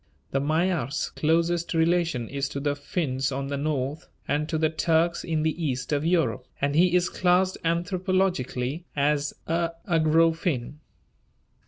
The Magyar's closest relation is to the Finns on the north and to the Turks in the east of Europe, and he is classed anthropologically as a Ugro Finn.